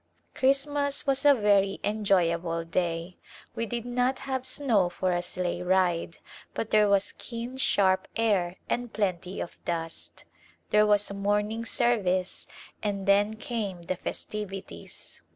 Christmas was a very enjoyable day. We did not have snow for a sleigh ride but there was keen sharp air and plenty of dust. There was a morning service and then came the festivities.